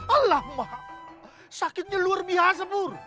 alamak sakitnya luar biasa pur